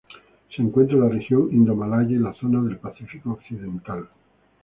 Se encuentran en la región indomalaya y la zona del Pacífico occidental.